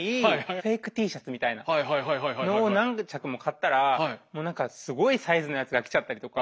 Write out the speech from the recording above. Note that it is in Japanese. フェイクＴシャツみたいなのを何着も買ったらもう何かすごいサイズのやつが来ちゃったりとか。